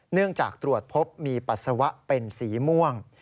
เนื่องจากตรวจพบมีปัสสาวะเป็นสีม่วง